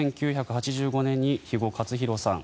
１９８５年に肥後克広さん